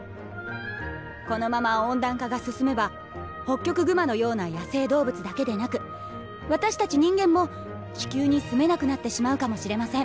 このまま温暖化が進めばホッキョクグマのような野生動物だけでなく私たち人間も地球に住めなくなってしまうかもしれません。